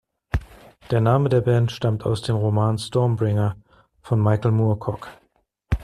Der Name der Band stammt aus dem Roman "Stormbringer" von Michael Moorcock.